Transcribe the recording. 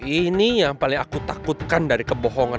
ini yang paling aku takutkan dari kebohongan